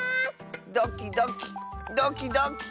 ドキドキドキドキ。